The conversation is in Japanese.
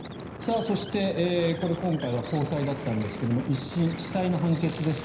そして、これは今回は高裁だったんですが１審、地裁の判決です。